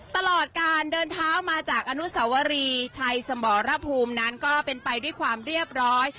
ตลอดการเดินเท้ามาจากอนุสวรีชัยสมรภูมินั้นก็เป็นไปด้วยความเรียบร้อย